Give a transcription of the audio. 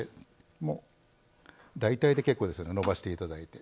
もう大体で結構ですのでのばしていただいて。